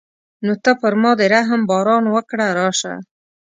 نو ته پر ما د رحم باران وکړه راشه.